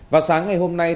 vào sáng ngày hôm nay